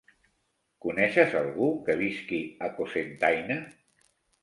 Coneixes algú que visqui a Cocentaina?